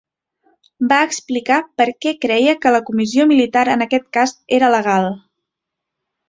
Va explicar per què creia que la comissió militar en aquest cas era legal.